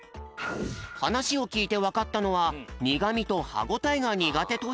はなしをきいてわかったのはにがみとはごたえがにがてということ。